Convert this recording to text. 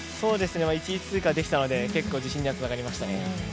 １位通過できたので、結構自信にはつながりましたね。